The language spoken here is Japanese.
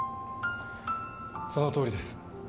そのとおりです。